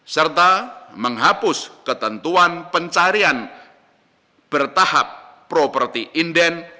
serta menghapus ketentuan pencarian bertahap properti inden